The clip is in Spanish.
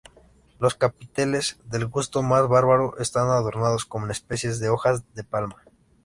Los capiteles del gusto más bárbaro están adornados con especies de hojas de palma.